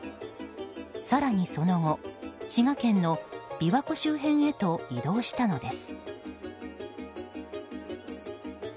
更にその後、滋賀県の琵琶湖周辺へと移動したのです。